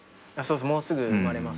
もうすぐ生まれますね。